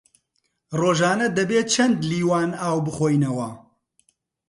ڕۆژانە دەبێ چەند لیوان ئاو بخۆینەوە؟